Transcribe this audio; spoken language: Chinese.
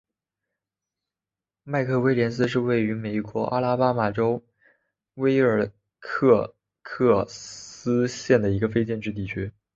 麦克威廉斯是位于美国阿拉巴马州威尔科克斯县的一个非建制地区。